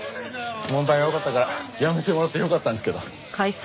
問題多かったから辞めてもらってよかったんですけど。